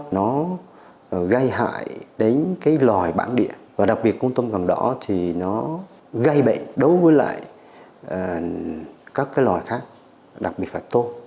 nó gây hại đến loài bản địa và đặc biệt con tôm cằm đỏ thì nó gây bệnh đối với các loài khác đặc biệt là tôm